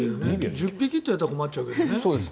１０匹と言われたら困っちゃうけどね。